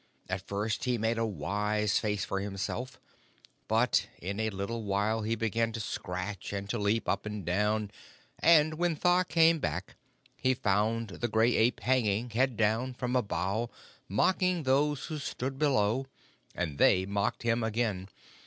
At the first he made a wise face for himself, but in a little while he began to scratch and to leap up and down, and when Tha came back he found the Gray Ape hanging, head down, from a bough, mocking those who stood below; and they mocked him again.